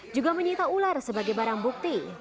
juga menyita ular sebagai barang bukti